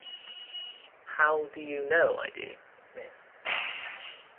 How do you know I do, miss?